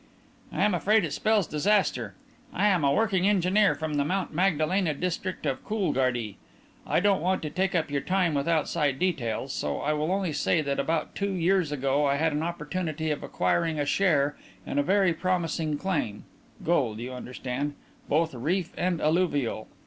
"I'm afraid it spells disaster. I am a working engineer from the Mount Magdalena district of Coolgardie. I don't want to take up your time with outside details so I will only say that about two years ago I had an opportunity of acquiring a share in a very promising claim gold, you understand, both reef and alluvial.